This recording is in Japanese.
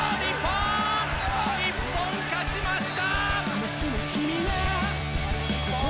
日本、勝ちました！